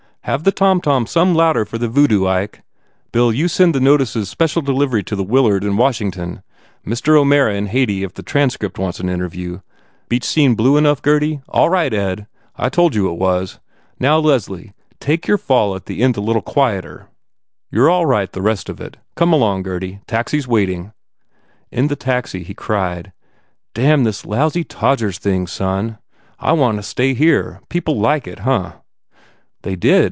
u Have the tomtom some louder for the Voodoo, Ike. Bill, you send all the notices special delivery to the Willard in Washington. Mr. O Mara s in Hayti if the Transcript wants an interview. Beach scene blue enough, Gurdy? All right, Ed, I told you it was. Now, Leslie, take your fall at the end quieter, a little. You re all right, the rest of it. Come along, Gurdy. Taxi s waiting." In the taxi, he cried, "Damn this lousy Todgers thing, son! I want to stay here. People liked it, huh?" "They did.